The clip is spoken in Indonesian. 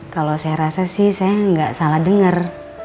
kalau saya rasa sih saya enggak salah denger